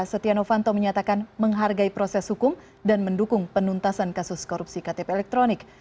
setia novanto menyatakan menghargai proses hukum dan mendukung penuntasan kasus korupsi ktp elektronik